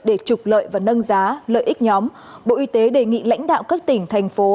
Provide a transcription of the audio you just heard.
để trục lợi và nâng giá lợi ích nhóm bộ y tế đề nghị lãnh đạo các tỉnh thành phố